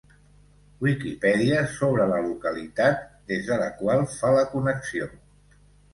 Wikipedia sobre la localitat des de la qual fa la connexió.